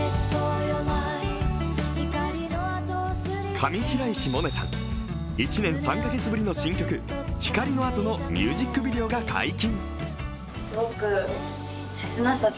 上白石萌音さん、１年３か月ぶりの新曲、「ひかりのあと」のミュージックビデオが解禁。